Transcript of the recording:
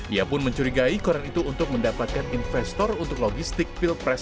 ia pun mencurigai koran itu untuk mendapatkan investor untuk logistik pilpres dua ribu sembilan belas